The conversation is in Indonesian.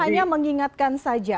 hanya mengingatkan saja